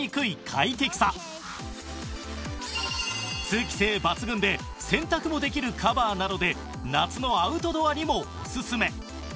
通気性抜群で洗濯もできるカバーなので夏のアウトドアにもオススメ